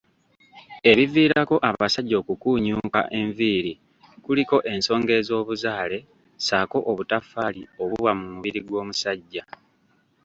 Ebiviirako abasajja okukuunyuuka enviiri kuliko ensonga ez'obuzaale ssaako obutaffaali obuba mu mubiri gw'omusajja